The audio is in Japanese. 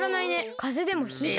かぜでもひいた？